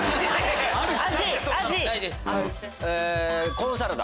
コーンサラダ。